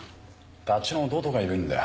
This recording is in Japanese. ダチの弟がいるんだよ